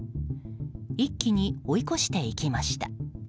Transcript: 一気に追い越していきました。